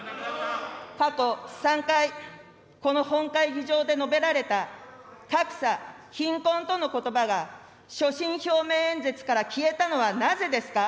過去３回、この本会議場で述べられた、格差、貧困とのことばが、所信表明演説から消えたのはなぜですか。